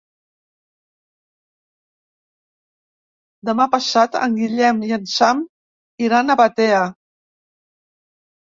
Demà passat en Guillem i en Sam iran a Batea.